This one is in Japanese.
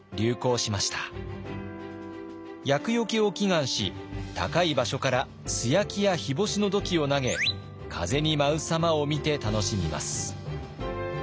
厄よけを祈願し高い場所から素焼きや日干しの土器を投げ風に舞うさまを見て楽しみます。